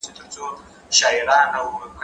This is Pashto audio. زه به انځور ليدلی وي؟!